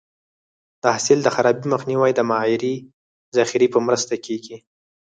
د حاصل د خرابي مخنیوی د معیاري ذخیرې په مرسته کېږي.